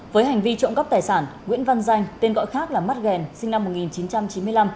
với hành vi trộm cắp tài sản nguyễn văn danh tên gọi khác là mắt ghen sinh năm một nghìn chín trăm chín mươi năm